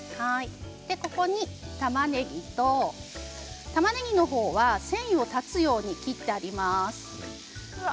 ここにたまねぎ、たまねぎの方は繊維を断つように切ってあります。